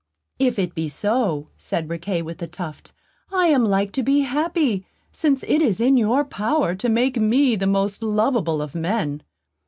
"If it be so," said Riquet with the Tuft, "I am like to be happy, since it is in your power to make me the most lovable of men."